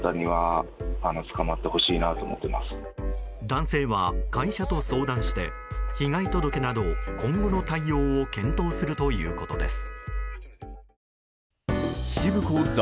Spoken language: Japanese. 男性は会社と相談して被害届など今後の対応を検討するということです。